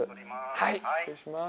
はい失礼します